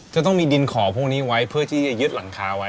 จะต้องมีดินขอพวกนี้ไว้เพื่อที่จะยึดหลังคาไว้